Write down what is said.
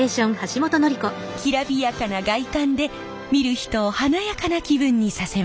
きらびやかな外観で見る人を華やかな気分にさせます。